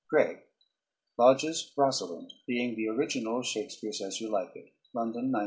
GREG. Lodge's "Rosalynde," being the Original of Shakespeare's "As You Like It," London, 1907.